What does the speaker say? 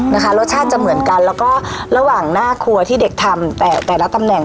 นะคะรสชาติจะเหมือนกันแล้วก็ระหว่างหน้าครัวที่เด็กทำแต่แต่ละตำแหน่ง